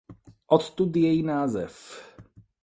Odtud její název.